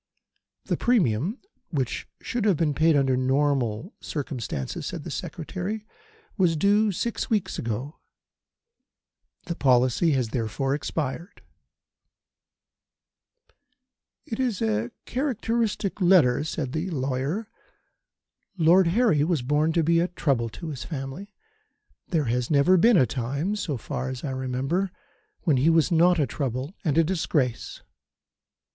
"The premium which should have been paid under ordinary circumstances," said the Secretary, "was due six weeks ago. The policy has therefore expired." "It is a characteristic letter," said the lawyer. "Lord Harry was born to be a trouble to his family. There has never been a time, so far as I remember, when he was not a trouble and a disgrace.